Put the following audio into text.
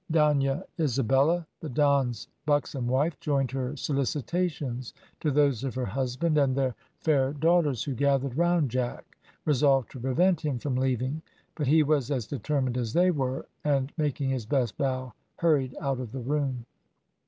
Donna Isabella, the Don's buxom wife, joined her solicitations to those of her husband and their fair daughters, who gathered round Jack, resolved to prevent him from leaving, but he was as determined as they were, and, making his best bow, hurried out of the room.